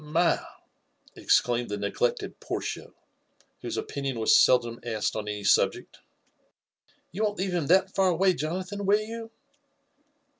*' "My 1" exclaimed the neglected Portia, whose opinioa wa* feldom asked on any subject, " you won't leaye bim that f^ away, Jo nathan, will yoi>